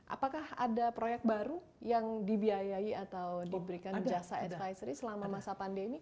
apakah ada proyek baru yang dibiayai atau diberikan jasa advisory selama masa pandemi